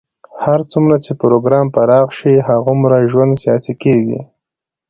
هر څومره چې پروګرام پراخ شي، هغومره ژوند سیاسي کېږي.